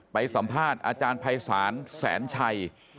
ไปสัมภาษณ์อาจารย์ภัยศาลแสนชัย